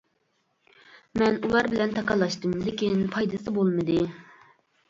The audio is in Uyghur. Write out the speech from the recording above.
مەن ئۇلار بىلەن تاكاللاشتىم، لېكىن پايدىسى بولمىدى.